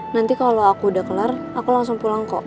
nanti kalau aku udah kelar aku langsung pulang kok